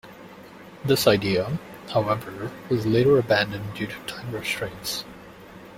This idea, however, was later abandoned due to time restraints.